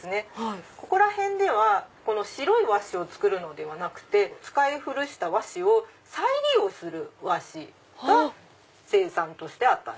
ここら辺では白い和紙を作るのではなくて使い古した和紙を再利用する和紙が生産としてあったんです。